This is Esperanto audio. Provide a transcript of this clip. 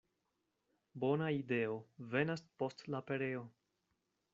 Bona ideo venas post la pereo.